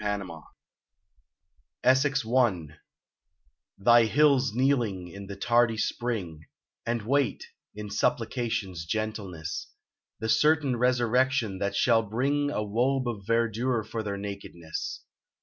96 Ill ESSEX i t THY hills are kneeling in the tardy spring, And wait, in supplication's gentleness, The certain resurrection that shall bring A robe of verdure for their nakedness.